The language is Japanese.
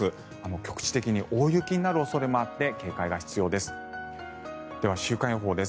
局地的に大雪になる恐れもあって警戒が必要です。